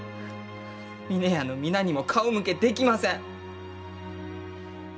峰屋の皆にも顔向けできません！